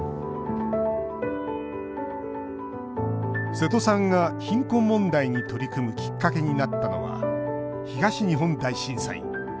瀬戸さんが貧困問題に取り組むきっかけになったのは東日本大震災。